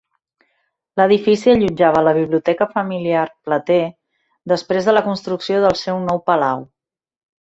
L'edifici allotjava la biblioteca familiar Plater després de la construcció del seu nou palau.